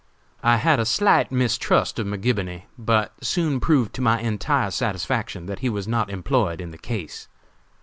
I had a slight mistrust of McGibony, but soon proved to my entire satisfaction that he was not employed in the case.